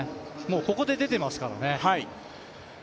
ここで出ていますからね。